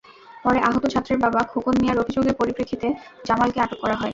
পরে আহত ছাত্রের বাবা খোকন মিয়ার অভিযোগের পরিপ্রেক্ষিতে জামালকে আটক করা হয়।